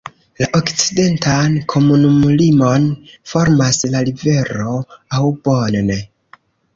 La okcidentan komunumlimon formas la rivero Aubonne.